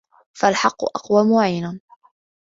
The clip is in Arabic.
فَالْحَقُّ أَقْوَى مُعِينٍ